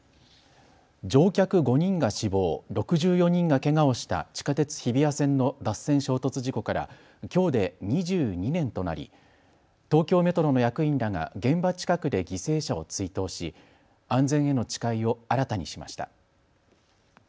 乗客５人が死亡、６４人がけがをした地下鉄日比谷線の脱線衝突事故からきょうで２２年となり、東京メトロの役員らが現場近くで犠牲者を追悼し、安全への誓いを新たにしました。